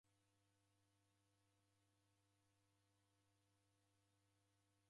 Uja mundu ndeupoie